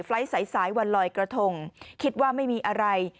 ไฟล์ทใสหวันลอยกระถงคิดว่าไม่มีอะไร